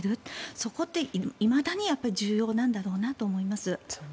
そこっていまだに重要なんだろうなと思います。